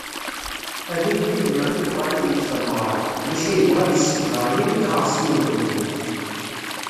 A d agellid-nneγ i yebγan ad yeg tameγra, maca yebγa ad yesseḥdeṛ yakk iγersiwen n tmurt.